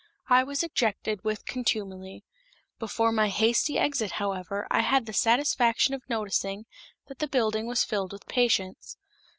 I was ejected with contumely. Before my hasty exit, however, I had the satisfaction of noticing that the building was filled with patients.